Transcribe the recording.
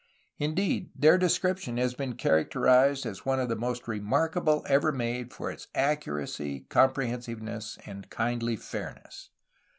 Indeed, their description has been charac terized as one of the most remarkable ever made for its ^'ac curacy, comprehensiveness, and kindly fairness."